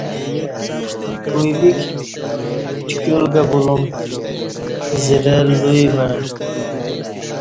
کوئی ویک ٹکیول کہ بولوم زرہ لوئی مع